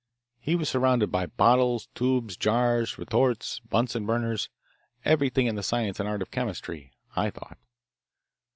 He was surrounded by bottles, tubes, jars, retorts, Bunsen burners, everything in the science and art of chemistry, I thought.